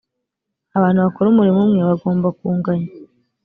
abantu bakora umurimo umwe bagomba kunganya.